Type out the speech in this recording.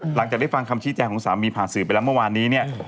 หลังจากได้ฟังคำชี้แจงของสามีผ่านสื่อไปแล้วเมื่อวานนี้เนี่ย